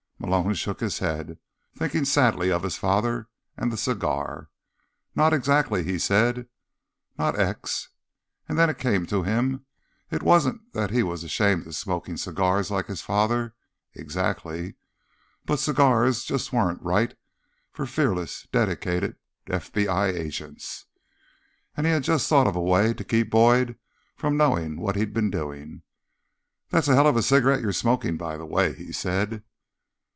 Malone shook his head, thinking sadly of his father and the cigar. "Not exactly," he said. "Not ex—" And then it came to him. It wasn't that he was ashamed of smoking cigars like his father, exactly, but cigars just weren't right for a fearless, dedicated FBI agent. And he had just thought of a way to keep Boyd from knowing what he'd been doing. "That's a hell of a cigarette you're smoking, by the way," he said.